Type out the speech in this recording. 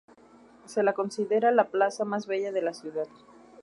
Se la considera la plaza más bella de la ciudad.